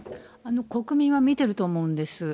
国民は見てると思うんです。